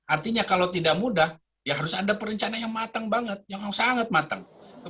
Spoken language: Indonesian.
artinya kalau tidak mudah ya harus ada perencanaan yang matang banget yang sangat matang